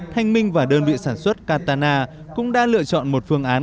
thanh minh và đơn vị sản xuất katana cũng đã lựa chọn một phương án